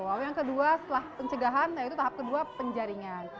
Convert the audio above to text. lalu yang kedua setelah pencegahan yaitu tahap kedua penjaringan